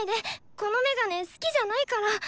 このメガネ好きじゃないから。